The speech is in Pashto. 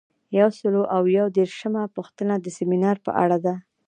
یو سل او یو دیرشمه پوښتنه د سمینار په اړه ده.